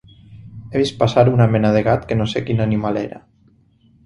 He vist passar una mena de gat que no sé quin animal era.